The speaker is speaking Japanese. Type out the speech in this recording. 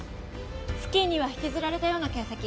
付近には引きずられたような形跡。